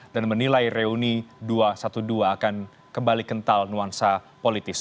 dan menilai reuni dua ratus dua belas akan kembali kental nuansa politis